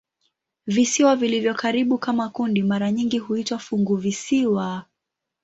Visiwa vilivyo karibu kama kundi mara nyingi huitwa "funguvisiwa".